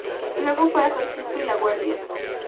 Luego fue a San Sisto y La Guardia.